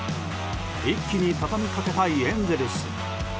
一気に畳みかけたいエンゼルス。